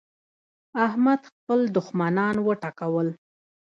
احمد خپل دوښمنان وټکول.